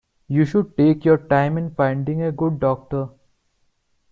You should take your time in finding a good doctor.